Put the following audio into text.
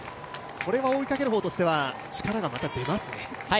これは追いかける方としては、力が出ますかね？